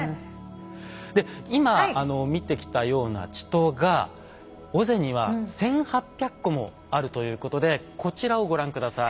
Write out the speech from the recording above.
で今見てきたような池溏が尾瀬には１，８００個もあるということでこちらをご覧下さい。